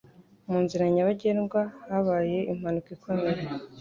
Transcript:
Mu nzira nyabagendwa habaye impanuka ikomeye.